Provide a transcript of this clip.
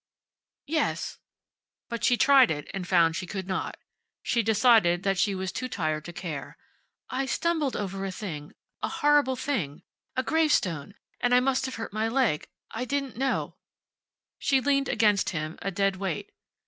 "Yes." But she tried it and found she could not. She decided she was too tired to care. "I stumbled over a thing a horrible thing a gravestone. And I must have hurt my leg. I didn't know " She leaned against him, a dead weight.